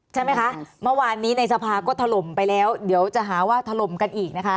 ใช่ไหมคะเมื่อวานนี้ในสภาก็ถล่มไปแล้วเดี๋ยวจะหาว่าถล่มกันอีกนะคะ